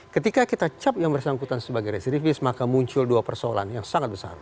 ketika kita cap yang bersangkutan sebagai residivis maka muncul dua persoalan yang sangat besar